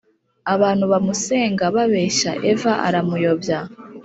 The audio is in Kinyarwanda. abantu bamusenga babeshye eva aramuyobya